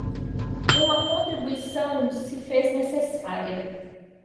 Uma contribuição se fez necessária